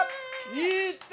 いった！